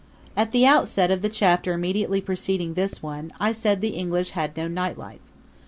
At the outset of the chapter immediately preceding this one I said the English had no night life.